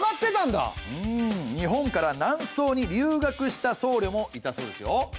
日本から南宋に留学したそうりょもいたそうですよ。